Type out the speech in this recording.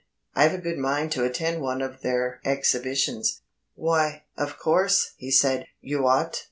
"I've a good mind to attend one of their exhibitions." "Why, of course," he said, "you ought.